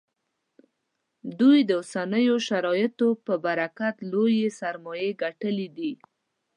دوی د اوسنیو شرایطو په برکت لویې سرمایې ګټلې دي